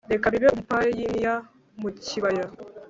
Reka bibe umupayiniya mukibaya